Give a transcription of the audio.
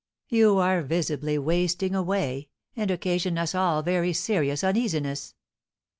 You are visibly wasting away, and occasion us all very serious uneasiness.